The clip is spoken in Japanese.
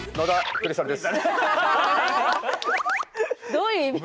どういう意味。